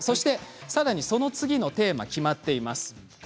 さらにその次のテーマが決まっています。